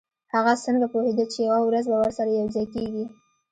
هغه څنګه پوهیده چې یوه ورځ به ورسره یوځای کیږي